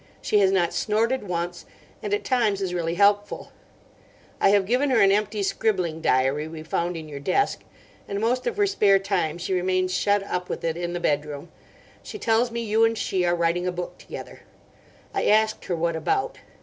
She has not snorted once, and at times is really helpful. I have given her an empty scribbling diary we found in your desk, and most of her spare time she remains shut up with it in the bedroom. She tells me you and she are writing a book together. I asked her what about.